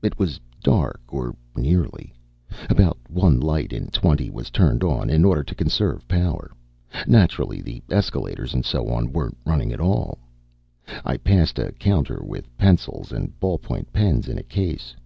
It was dark, or nearly. About one light in twenty was turned on, in order to conserve power. Naturally the escalators and so on weren't running at all. I passed a counter with pencils and ball point pens in a case.